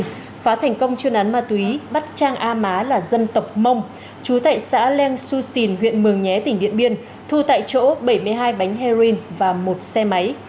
phá thành công chuyên án ma túy bắt trang a má là dân tộc mông chú tại xã leng xu xìn huyện mường nhé tỉnh điện biên thu tại chỗ bảy mươi hai bánh heroin và một xe máy